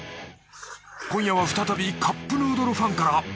今夜は再びカップヌードルファンから。